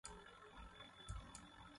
بُٹڙیْ پھیارہ تومہ گوڙوڑ گیئی۔